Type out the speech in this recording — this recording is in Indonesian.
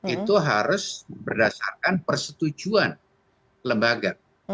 itu harus berdasarkan persetujuan lembaga